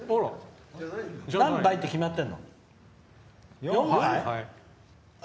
何杯って決まってるの？